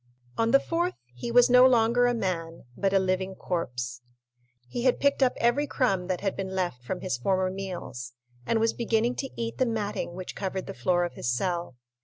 On the fourth, he was no longer a man, but a living corpse. He had picked up every crumb that had been left from his former meals, and was beginning to eat the matting which covered the floor of his cell.